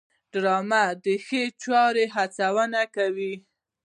ډرامه د ښو چارو هڅونه کوي